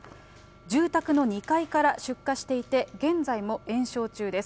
住宅の２階から出火していて、現在も延焼中です。